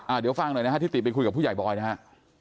เดี๋ยวฟังหน่อยนะฮะที่ติไปคุยกับผู้ใหญ่บอยนะฮะ